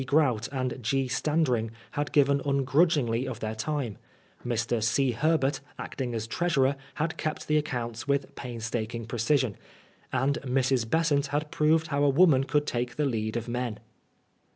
Grout and G. Standring had given nngrndgingly of their time ; Mr, C. Herbert, acting as treasurer, had kept the accounts with painstaking precision ; and Mrs. Besant had proved how a woman could take the lead of men.